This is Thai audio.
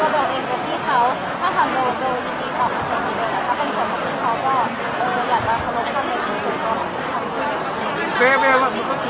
ก็ไม่ได้รับความเทกตรง